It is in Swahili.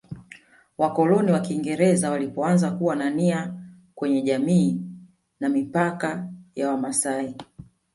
Wakoloni wa Wakiingereza walipoanza kuwa na nia kwenye jamii na mipaka ya wamasai